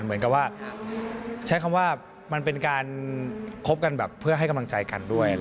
เหมือนกับว่าใช้คำว่ามันเป็นการคบกันแบบเพื่อให้กำลังใจกันด้วย